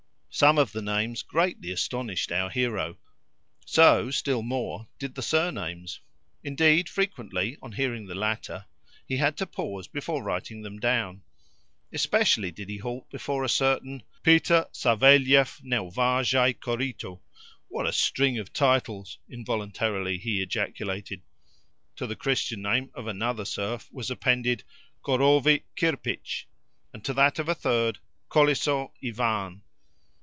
Some of the names greatly astonished our hero, so, still more, did the surnames. Indeed, frequently, on hearing the latter, he had to pause before writing them down. Especially did he halt before a certain "Peter Saveliev Neuvazhai Korito." "What a string of titles!" involuntarily he ejaculated. To the Christian name of another serf was appended "Korovi Kirpitch," and to that of a third "Koleso Ivan."